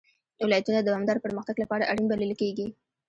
ولایتونه د دوامداره پرمختګ لپاره اړین بلل کېږي.